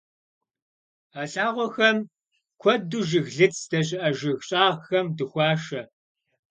А лъагъуэхэм куэду жыглыц здэщыӏэ жыг щӀагъхэм дыхуашэ.